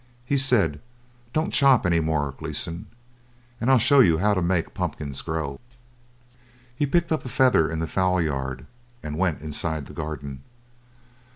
He said, "Don't chop any more, Gleeson, and I'll show you how to make pumpkins grow." He picked up a feather in the fowl yard, and went inside the garden.